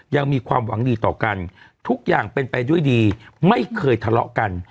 ยังมีความหวังดีต่อกันทุกอย่างเป็นไปด้วยดีไม่เคยทะเลาะกัน